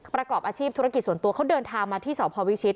ประกอบอาชีพธุรกิจส่วนตัวเขาเดินทางมาที่สพวิชิต